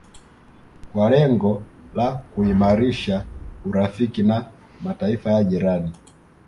kwa lengo la kuimarisha urafiki na Mataifa ya jirani